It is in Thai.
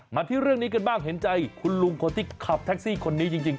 มาที่เรื่องนี้กันบ้างเห็นใจคุณลุงคนที่ขับแท็กซี่คนนี้จริง